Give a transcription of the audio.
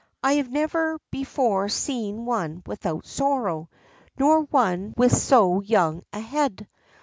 I have never before seen one without sorrow, nor one with so young a head.